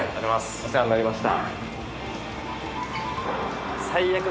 お世話になりました。